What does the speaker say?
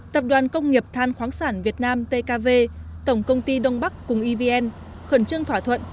tập đoàn công nghiệp than khoáng sản việt nam tkv tổng công ty đông bắc cùng evn khẩn trương thỏa thuận